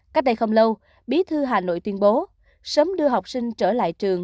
cách đây không lâu bí thư hà nội tuyên bố sớm đưa học sinh trở lại trường